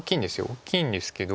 大きいんですけど。